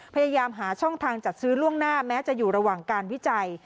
พยายามหาช่องทางจัดซื้อล่วงหน้าแม้จะอยู่ระหว่างการวิจัย